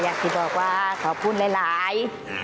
ก็อยากที่บอกว่าขอบคุณหลาย